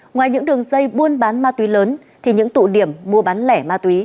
ngoài những đường dây buôn bán ma túy lớn thì những tụ điểm mua bán lẻ ma túy